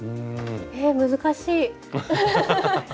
えっ難しい。